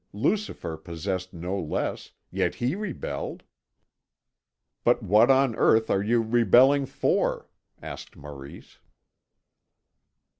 Lucifer possessed no less, yet he rebelled." "But what on earth are you rebelling for?" asked Maurice.